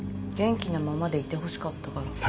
元気なままでいてほしかったから。